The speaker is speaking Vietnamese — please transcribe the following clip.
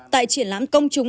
tại triển lãm công chúng